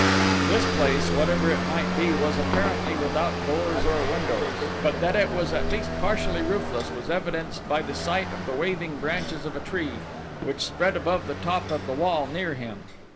This place, whatever it might be, was apparently without doors or windows but that it was at least partially roofless was evidenced by the sight of the waving branches of a tree which spread above the top of the wall near him.